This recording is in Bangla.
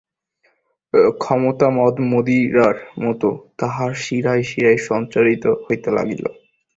ক্ষমতামদ মদিরার মতো তাঁহার শিরায় শিরায় সঞ্চারিত হইতে লাগিল।